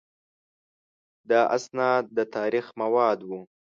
دا اسناد د تاریخ مواد وو.